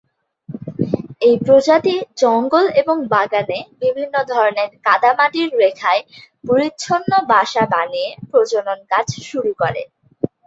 এই প্রজাতি জঙ্গল এবং বাগানে, বিভিন্ন ধরনের কাদা-মাটির রেখায়, পরিচ্ছন্ন বাসা বানিয়ে প্রজনন কাজ শুরু করে।